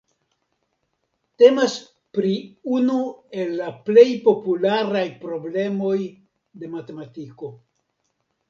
Temas pri unu el la plej popularaj problemoj de matematiko.